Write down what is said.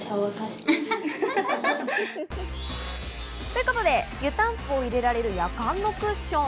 ということで、湯たんぽを入れられる、やかんのクッション。